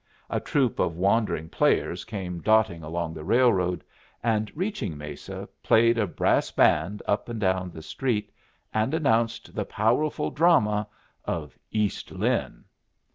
A troop of wandering players came dotting along the railroad, and, reaching Mesa, played a brass band up and down the street, and announced the powerful drama of "East Lynne."